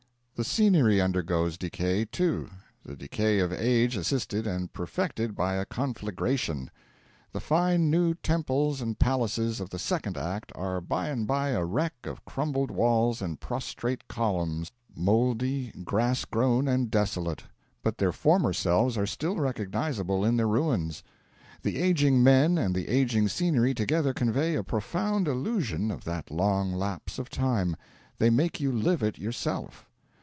The scenery undergoes decay, too the decay of age assisted and perfected by a conflagration. The fine new temples and palaces of the second act are by and by a wreck of crumbled walls and prostrate columns, mouldy, grass grown, and desolate; but their former selves are still recognisable in their ruins. The ageing men and the ageing scenery together convey a profound illusion of that long lapse of time: they make you live it yourself!